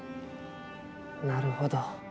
なるほど。